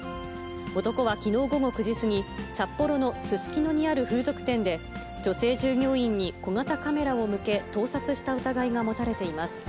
男はきのう午後９時過ぎ、札幌のすすきのにある風俗店で、女性従業員に小型カメラを向け、盗撮した疑いが持たれています。